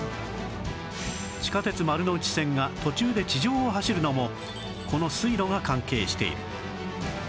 地下鉄丸ノ内線が途中で地上を走るのもこの水路が関係している